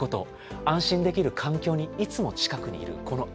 安心できる環境にいつも近くにいるこの安心感。